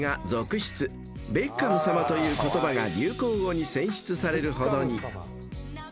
［「ベッカム様」という言葉が流行語に選出されるほどに］